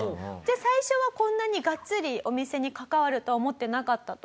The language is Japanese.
最初はこんなにガッツリお店に関わるとは思ってなかったと。